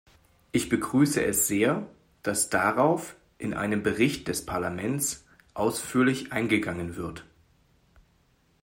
Ich begrüße es sehr, dass darauf in einem Bericht des Parlaments ausführlich eingegangen wird.